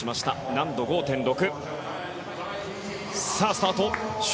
難度５．６。